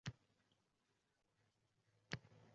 Tashvishdan qochib ertangi kunimiz uchun muammolarning uzun